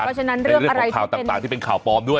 เพราะฉะนั้นเรื่องอะไรข่าวต่างที่เป็นข่าวปลอมด้วย